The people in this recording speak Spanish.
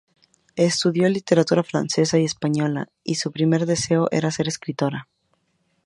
Estudió literatura francesa y española y su primer deseo era ser escritora.